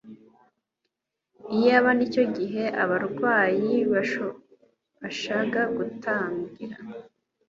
Iyaba nicyo gihe abo barwayi babashaga gutangira